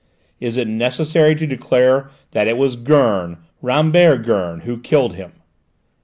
Is it necessary to declare that it was Gurn, Rambert Gurn, who killed him?"